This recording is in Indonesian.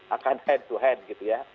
akan hand to hand gitu ya